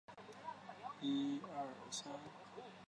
兴奋的皇帝将夜莺圈养于笼子。